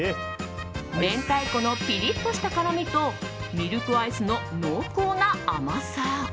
明太子のピリッとした辛みとミルクアイスの濃厚な甘さ。